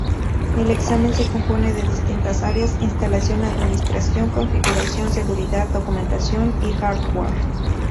El examen se compone de distintas áreas: instalación, administración, configuración, seguridad, documentación y hardware.